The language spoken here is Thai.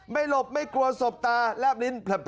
ไม่หลบไม่กลัวสบตาแล้วลิ้น